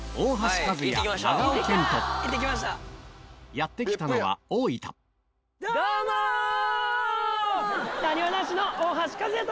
やって来たのは大分なにわ男子の大橋和也と！